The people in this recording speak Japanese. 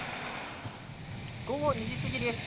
午後２時過ぎです。